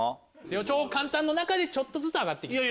超簡単の中でちょっとずつ上がって行きます。